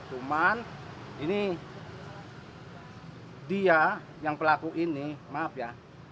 cuman ini dia yang pelaku ini maaf ya